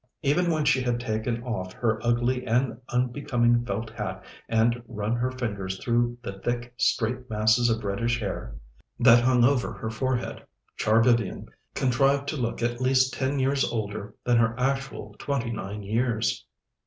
Even when she had taken off her ugly and unbecoming felt hat and run her fingers through the thick, straight masses of reddish hair that hung over her forehead, Char Vivian contrived to look at least ten years older than her actual twenty nine years.